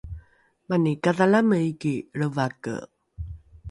mani kadhalame iki lrevake